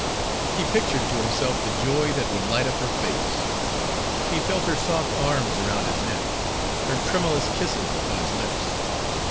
He pictured to himself the joy that would light up her face; he felt her soft arms around his neck, her tremulous kisses upon his lips.